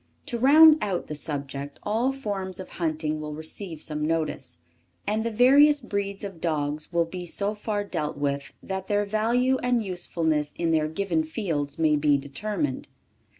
To round out the subject all forms of hunting will receive some notice, and the various breeds of dogs will be so far dealt with, that their value and usefulness in their given fields may be determined.